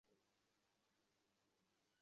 চালাও, সোনা!